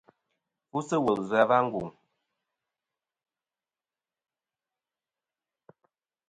Fu sɨ̂ wùl ɨ̀ vzɨ̀ a wa ngùŋ.